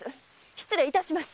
失礼いたします！